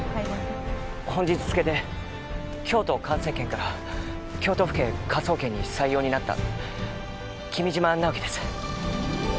本日付で京都環生研から京都府警科捜研に採用になった君嶋直樹です。